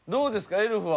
エルフは。